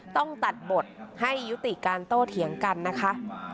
ต้องตัดบทให้ยุติการโต้เถียงกันนะคะ